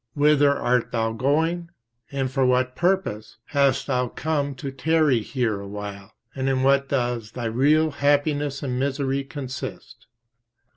Whither art thou going, and for what purpose hast thou come to tarry here awhile, and in what does thy real happiness and misery consist?